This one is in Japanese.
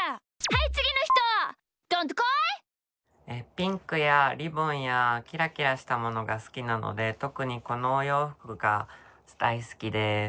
ピンクやリボンやキラキラしたものがすきなのでとくにこのおようふくがだいすきです。